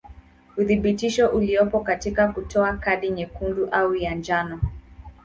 Uthibitisho uliopo katika kutoa kadi nyekundu au ya njano.